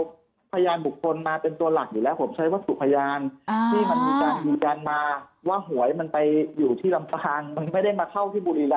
ผมพยานบุคคลมาเป็นตัวหลักอยู่แล้วผมใช้วัตถุพยานที่มันมีการมาว่าหวยมันไปอยู่ที่ลำปางมันไม่ได้มาเข้าที่บุรีรำ